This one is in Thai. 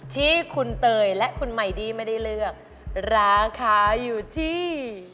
ที่คุณเตยและคุณไมดี้ไม่ได้เลือกราคาอยู่ที่